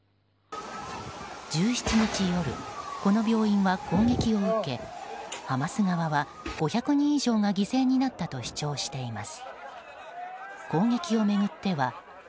１７日夜、この病院は攻撃を受けハマス側は５００人以上が犠牲になったと主張しています。